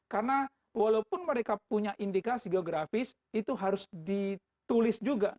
karena walaupun mereka punya indikasi geografis itu harus ditulis juga